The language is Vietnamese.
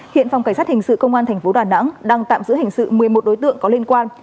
hiện phòng cảnh sát hình sự công an tp đà nẵng đang tạm giữ hình sự một mươi một đối tượng có liên quan